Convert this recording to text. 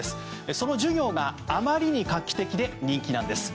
その授業があまりに画期的で人気なんです。